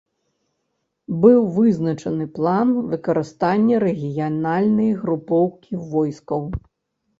Быў вызначаны план выкарыстання рэгіянальнай групоўкі войскаў.